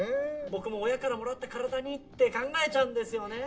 僕も親からもらった体にって考えちゃうんですよね。